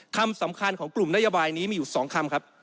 คำสำคัญของกลุ่มนโยบายนี้มีอยู่๒คำครับ